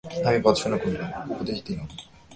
আমি ভর্ৎসনা করিলাম, উপদেশ দিলাম।